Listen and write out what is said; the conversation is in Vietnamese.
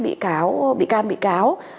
bị cáo can bị cáo